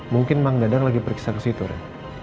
mungkin mang dadang lagi periksa kesitu ren